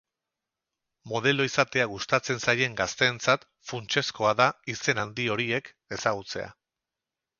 Modelo izatea gustatzen zaien gazteentzat funtsezkoa da izen handi horiek ezagutzea.